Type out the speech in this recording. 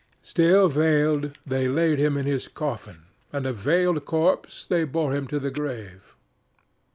Still veiled, they laid him in his coffin, and a veiled corpse they bore him to the grave.